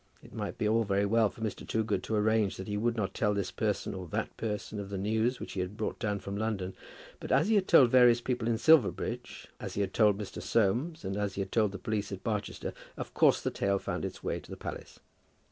It might be all very well for Mr. Toogood to arrange that he would not tell this person or that person of the news which he had brought down from London; but as he had told various people in Silverbridge, as he had told Mr. Soames, and as he had told the police at Barchester, of course the tale found its way to the palace.